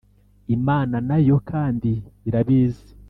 imana nayo kandi irabizi